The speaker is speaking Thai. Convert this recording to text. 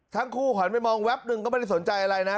หันไปมองแวบหนึ่งก็ไม่ได้สนใจอะไรนะ